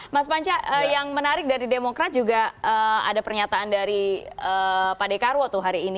mas panca yang menarik dari demokrat juga ada pernyataan dari pak dekarwo tuh hari ini